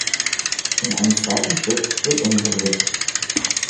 In einem zweiten Schritt wird umgerührt.